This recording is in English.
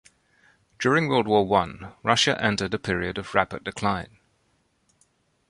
During World War One Russia entered a period of rapid decline.